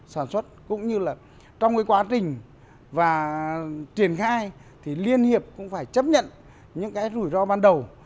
sản xuất cũng như là trong quá trình triển khai thì liên hiệp cũng phải chấp nhận những rủi ro ban đầu